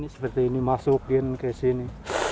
seperti ini masukin ke sini